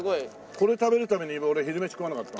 これ食べるために俺昼飯食わなかった。